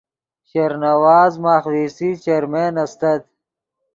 شیر نواز ماخ وی سی چیرمین استت